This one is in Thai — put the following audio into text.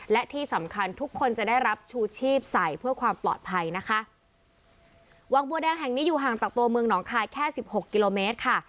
และที่สำคัญทุกคนจะได้รับชูชีพใส่เพื่อความปลอดภัยนะคะวังบัวแดงแห่งนี้อยู่ห่างจากตัวเมืองหนองคายแค่สิบหกกิโลเมตรค่ะ